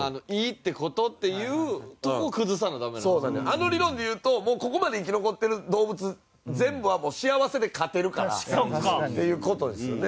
あの理論で言うともうここまで生き残ってる動物全部はもう幸せで勝てるからっていう事ですよね。